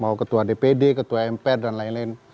mau ketua dpd ketua mpr dan lain lain